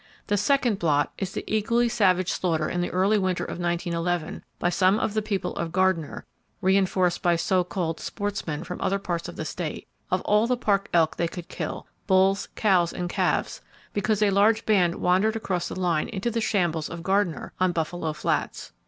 The second blot is the equally savage slaughter in the early winter of 1911, by some of the people of Gardiner, reinforced by so called sportsmen from other parts of the state, of all the park elk they could kill,—bulls, cows and calves,—because a large band wandered across the line into the shambles of Gardiner, on Buffalo Flats.